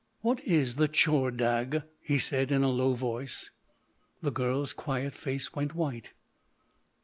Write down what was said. "What is the Tchordagh?" he said in a low voice. The girl's quiet face went white.